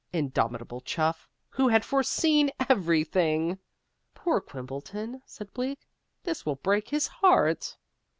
Indomitable Chuff, who had foreseen everything! "Poor Quimbleton," said Bleak. "This will break his heart!"